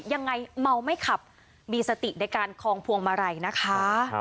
ยังไงเมาไม่ขับมีสติในการคองพวงมาลัยนะคะ